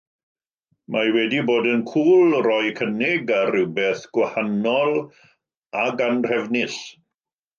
Mae wedi bod yn cŵl rhoi cynnig ar rywbeth gwahanol ac anhrefnus.